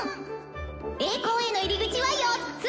栄光への入り口は４つ！」。